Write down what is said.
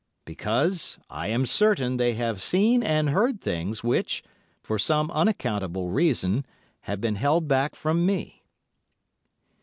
Because I am certain they have seen and heard things which, for some unaccountable reason, have been held back from me.